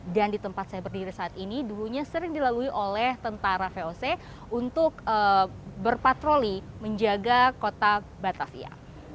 dan di tempat saya berdiri saat ini dulunya sering dilalui oleh tentara voc untuk berpatroli menjaga kota batavia